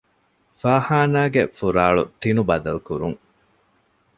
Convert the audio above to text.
ފާޚާނާގެ ފުރާޅު ޓިނުބަދަލުކުރުން